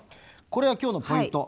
これが今日のポイント！